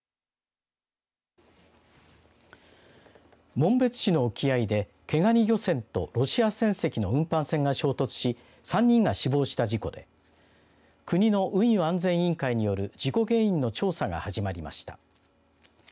紋別市の沖合で毛ガニ漁船とロシア船籍の運搬船が衝突し３人が死亡した事故で国の運輸安全委員会による事故原因の調査が始まりました。